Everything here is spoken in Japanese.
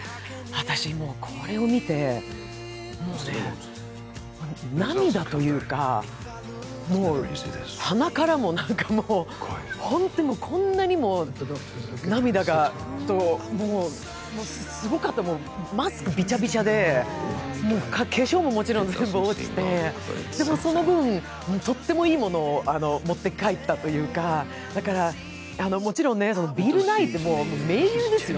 私、もうこれを見てもうね、涙というか、もう鼻からも、なんかもう、本当にこんなにも涙が、もうすごかった、マスクびちゃびちゃで化粧ももちろん全部落ちて、でもその分、とってもいいものを持って帰ったというか、だから、もちろんね、ビル・ナイも名優ですよ。